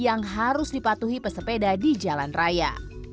yang harus dipatuhi pesepeda di jalan raya